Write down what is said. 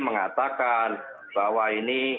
mengatakan bahwa ini